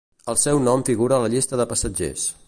El seu nom figura a la llista de passatgers.